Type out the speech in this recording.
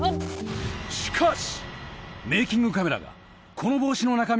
しかし！